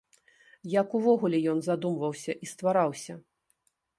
Як увогуле ён задумваўся і ствараўся?